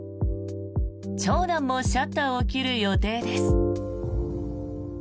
長男もシャッターを切る予定です。